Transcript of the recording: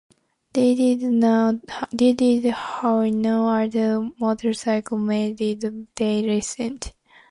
They did what no other motorcycle make did-they listened.